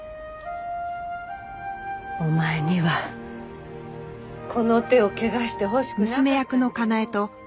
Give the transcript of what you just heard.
お前にはこの手を汚してほしくなかったんだよ。